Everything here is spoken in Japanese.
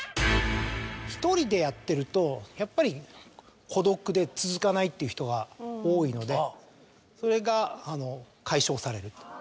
１人でやってるとやっぱり孤独で続かないっていう人が多いので。